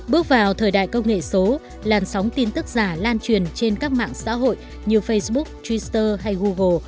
bước vào thời đại công nghệ số làn sóng tin tức giả lan truyền trên các mạng xã hội như facebook twitter hay google